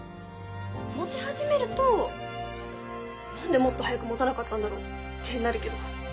持ち始めると「何でもっと早く持たなかったんだろう」ってなるけど。